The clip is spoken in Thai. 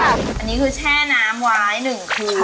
อันนี้คือแช่น้ำไว้๑คืน